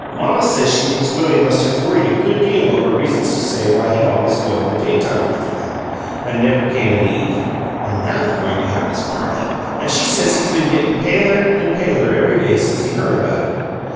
Mamma says she thinks Willie must have worried a good deal over reasons to say why he'd always go in the daytime after that, an' never came in the evening, an' now they're goin' to have this party, an' she says he's been gettin' paler and paler every day since he heard about it.